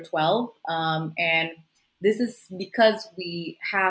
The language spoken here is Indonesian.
dan ini karena kami